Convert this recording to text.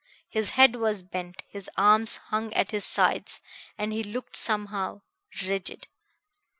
His head was bent, his arms hung at his sides, and he looked somehow ... rigid.